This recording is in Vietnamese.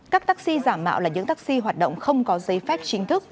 các taxi giả mạo là những taxi hoạt động không có giấy phép chính thức